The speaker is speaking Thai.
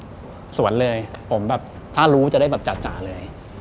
ก็สวนเลยผมแบบถ้ารู้จะได้แบบจ่ะเลย